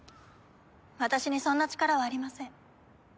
私にそんな力はありません。